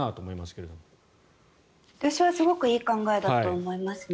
それはすごくいい考えだと思いますね。